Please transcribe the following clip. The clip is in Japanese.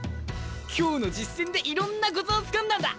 今日の実戦でいろんなコツをつかんだんだ！